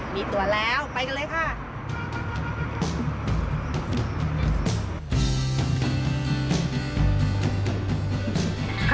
มีตัวแล้วไปกันเลยค่ะ